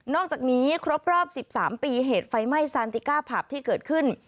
อกจากนี้ครบรอบ๑๓ปีเหตุไฟไหม้ซานติก้าผับที่เกิดขึ้น